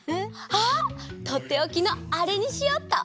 あっとっておきのあれにしよっと！